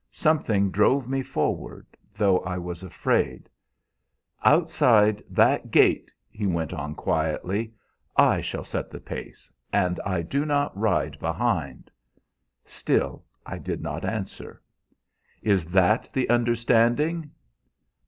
Something drove me forward, though I was afraid. "'Outside that gate,' he went on quietly, 'I shall set the pace, and I do not ride behind.' Still I did not answer. 'Is that the understanding?'